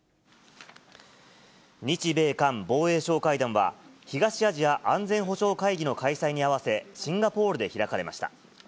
日米韓防衛相会談は、東アジア安全保障会議の開催に合わせシンガポールで開かれました。